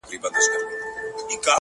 دا به چيري خيرن سي.